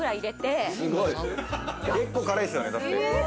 結構辛いですよね。